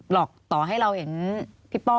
ต่อให้เราเห็นพี่ป้อ